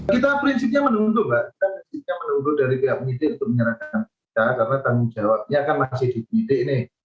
kita prinsipnya menuntut dari pihak penyidik untuk menyerahkan karena tanggung jawabnya akan masih di penyidik ini